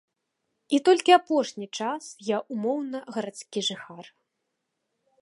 І толькі апошні час я ўмоўна гарадскі жыхар.